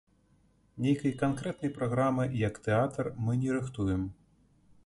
Нейкай канкрэтнай праграмы, як тэатр, мы не рыхтуем.